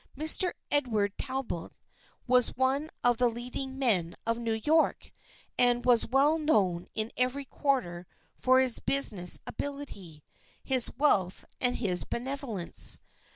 Mr. Edward Tal bot was one of the leading men of New York, and was well known in every quarter for his business ability, his wealth and his benevolence.